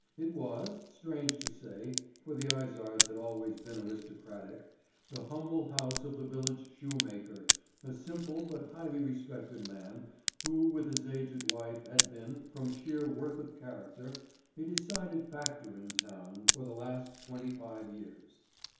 It was—strange to say, for the Izards had always been aristocratic—the humble house of the village shoemaker, a simple but highly respected man who with his aged wife had been, from sheer worth of character, a decided factor in town for the last twenty five years.